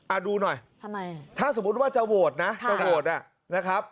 อ่ะดูหน่อยถ้าสมมติว่าจะโหวตนะ